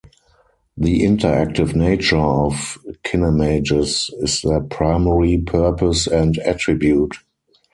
The interactive nature of kinemages is their primary purpose and attribute.